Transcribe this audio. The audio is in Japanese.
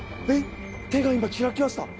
手が今開きました。